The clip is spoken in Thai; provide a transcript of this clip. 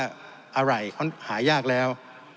อล่ายเขาหายากแล้ว